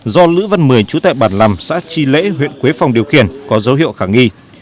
do lữ văn mười chú tại bản lằm xã tri lễ huyện quế phong điều khiển có dấu hiệu khả nghi